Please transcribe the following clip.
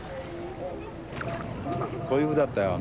こういうふうだったよ。